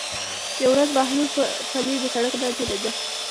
یوه ورځ بهلول پلي د سړک نه تېرېده.